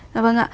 dạ vâng ạ